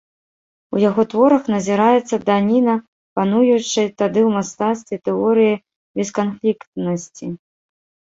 У яго творах назіраецца даніна пануючай тады ў мастацтве тэорыі бесканфліктнасці.